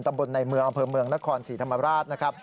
ตำบลในเมืองอำเภอเมืองนครศรีธรรมราชนะครับ